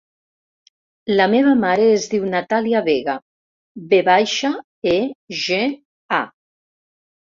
La meva mare es diu Natàlia Vega: ve baixa, e, ge, a.